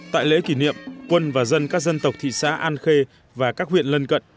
tại lễ kỷ niệm quân và dân các dân tộc thị xã an khê và các huyện lân cận